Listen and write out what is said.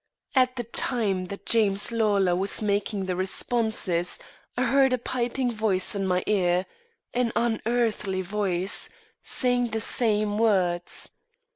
At the time that James Lawlor was making the responses, I heard a piping voice in my ear, an unearthly voice, saying the same words.